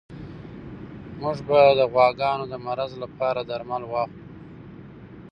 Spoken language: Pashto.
موږ به د غواګانو د مرض لپاره درمل واخلو.